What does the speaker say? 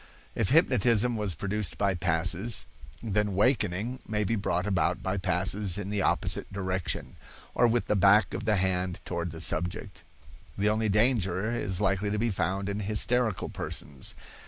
If hypnotism was produced by passes, then wakening may be brought about by passes in the opposite direction, or with the back of the hand toward the subject. The only danger is likely to be found in hysterical persons.